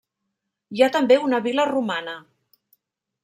Hi ha també una vil·la romana.